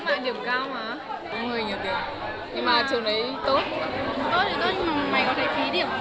tốt thì tốt nhưng mà mày có thể phí điểm